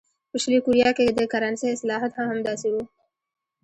په شلي کوریا کې د کرنسۍ اصلاحات هم همداسې وو.